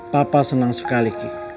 papa senang sekali ki